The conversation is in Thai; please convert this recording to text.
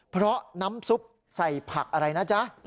เพราะน้ำซุปใส่ผักอะไรนะจ๊ะ